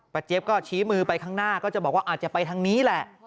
เจี๊ยบก็ชี้มือไปข้างหน้าก็จะบอกว่าอาจจะไปทางนี้แหละ